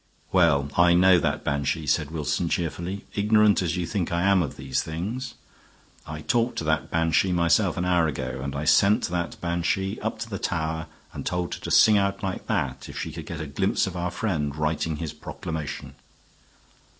"Well, I know that banshee," said Wilson, cheerfully, "ignorant as you think I am of these things. I talked to that banshee myself an hour ago, and I sent that banshee up to the tower and told her to sing out like that if she could get a glimpse of our friend writing his proclamation."